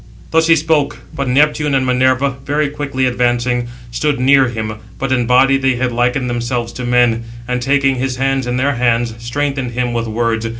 Thus he spoke; but Neptune and Minerva, very quickly advancing, stood near him (but in body they had likened themselves to men), and, taking his hand in their hands, strengthened him with words.